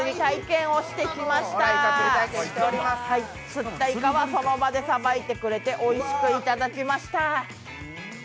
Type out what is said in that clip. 釣ったイカは、その場でさばいてくれて、おいしくいただきました。